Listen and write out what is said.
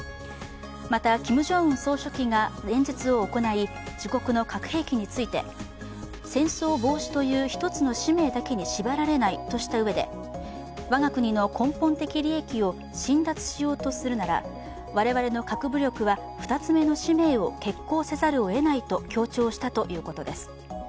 また、キム・ジョンウン総書記が連日行い自国の核兵器について、戦争防止という１つの使命だけに縛られないとしたうえで、我が国の根本的利益を侵奪しようとするなら我々の核武力は２つ目の使命を決行せざるをえないと強調したということです。